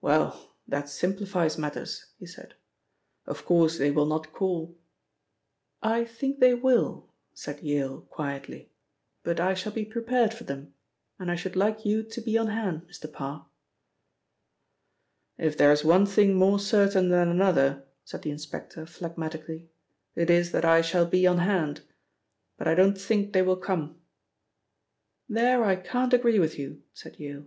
"Well, that simplifies matters," he said. "Of course, they will not call " "I think they will," said Yale quietly; "but I shall be prepared for them, and I should like you to be on hand, Mr. Parr." "If there is one thing more certain that another," said the inspector phlegmatically, "it is that I shall be on hand. But I don't think they will come." "There I can't agree with you," said Yale.